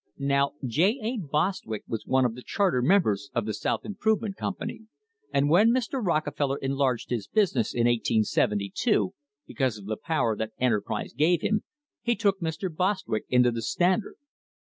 Now J. A. Bostwick was one of the charter members of the South Improvement Company, and when Mr. Rockefeller enlarged his business in 1872 because of the power that enterprise gave him, he took Mr. Bostwick into the Standard.